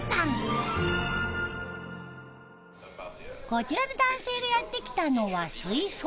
こちらの男性がやって来たのは水槽。